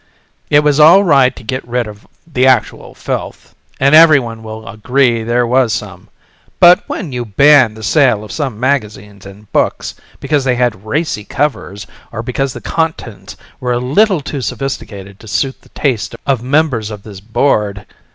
It was all right to get rid of the actual filth ... and everyone will agree there was some. But when you banned the sale of some magazines and books because they had racy covers or because the contents were a little too sophisticated to suit the taste of members of this board